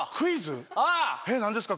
えっ何ですか？